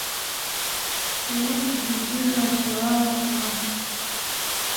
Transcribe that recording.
eeh ni vizuri watu hawa waka